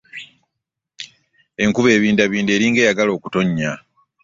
Enkuba ebindabinda elinga eyagala okutoonya.